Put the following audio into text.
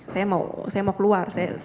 saya mau keluar